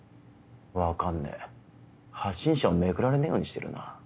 分かんねえ発信者をめくられねえようにしてるな。